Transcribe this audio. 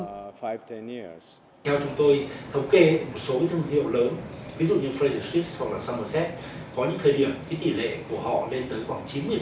theo chúng tôi thống kê một số thương hiệu lớn